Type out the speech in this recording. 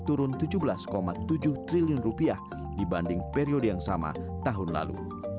turun tujuh belas tujuh triliun rupiah dibanding periode yang sama tahun lalu